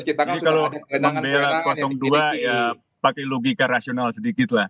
ini kalau memang bela dua ya pakai logika rasional sedikit lah